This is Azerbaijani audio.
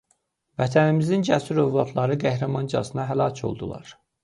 Vətənimizin cəsur övladları qəhrəmancasına həlak oldular.